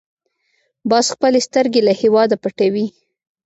باز خپلې سترګې له هېواده پټوي